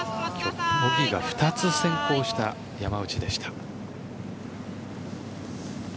ボギーが２つ先行した山内でした。